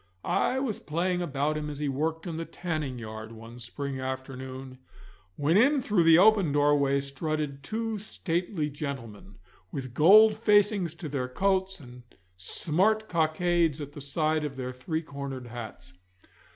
I was playing about him as he worked in the tanning yard one spring afternoon, when in through the open doorway strutted two stately gentlemen, with gold facings to their coats and smart cockades at the side of their three cornered hats.